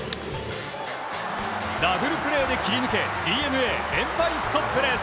ダブルプレーで切り抜けＤｅＮＡ、連敗ストップです。